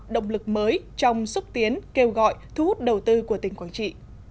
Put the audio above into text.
động lực mới trong xúc tiến kêu gọi thu hút đầu tư của tỉnh quảng trị